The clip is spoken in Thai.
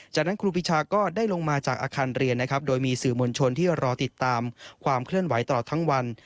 จากนั้นครูปีชาก็ได้ลงมาจากอาคารเรียนนะครับโดยมีสื่อมวลชนที่รอติดตามความเคลื่อนไหวตลอดทั้งวัน